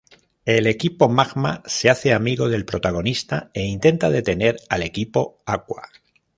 El Equipo Magma se hace amigo del protagonista e intenta detener al Equipo Aqua.